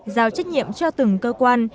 giao trách nhiệm cho từng cơ quan